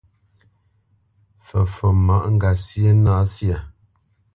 Fǝfot máʼ ŋgasyé na syâ.